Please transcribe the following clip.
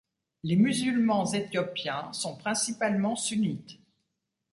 Les musulmans éthiopiens sont principalement sunnites.